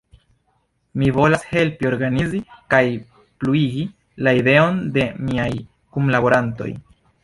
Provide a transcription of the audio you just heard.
Mi volas helpi organizi kaj pluigi la ideojn de miaj kunlaborantoj.